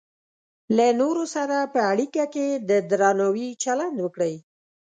له نورو سره په اړیکه کې د درناوي چلند وکړئ.